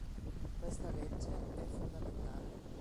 Questa legge è fondamentale.